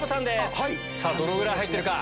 どのぐらい入ってるか？